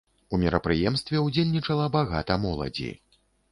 У мерапрыемстве ўдзельнічала багата моладзі.